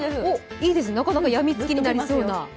いいですね、なかなかやみつきになりそうな。